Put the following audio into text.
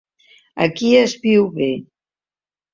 Aquí es viu bé.